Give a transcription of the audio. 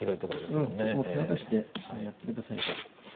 うんもうちょっと手渡しでやってくださいで。